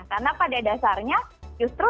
karena pada dasarnya justru